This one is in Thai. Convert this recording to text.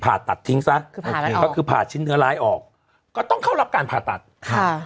ผ่าตัดทิ้งซะคือผ่าตัดก็คือผ่าชิ้นเนื้อร้ายออกก็ต้องเข้ารับการผ่าตัดค่ะ